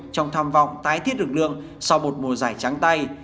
trong tham vọng tái thiết lực lượng sau một mùa giải trắng tay